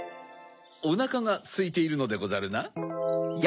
おなかがすいているのでござるな？